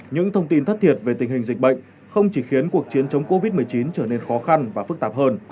những thông tin thất thiệt về tình hình dịch bệnh không chỉ khiến cuộc chiến chống covid một mươi chín trở nên khó khăn và phức tạp hơn